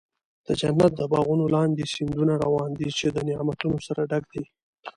د جنت د باغونو لاندې سیندونه روان دي، چې د نعمتونو سره ډک دي.